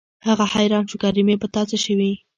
هغه حيران شو کریمې په تا څه شوي.